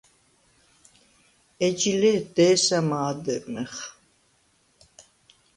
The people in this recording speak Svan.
ეჯი ლე̄თ დე̄სამა ადჷრმეხ.